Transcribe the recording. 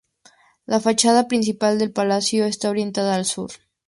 La Fachada principal del palacio está orientada al sur.